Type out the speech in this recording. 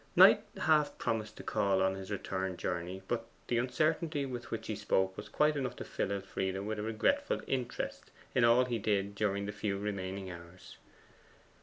Knight half promised to call on his return journey; but the uncertainty with which he spoke was quite enough to fill Elfride with a regretful interest in all he did during the few remaining hours.